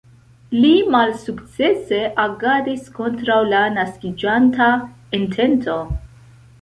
Li malsukcese agadis kontraŭ la naskiĝanta entento.